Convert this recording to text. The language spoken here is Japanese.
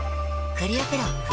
クリアプロだＣ。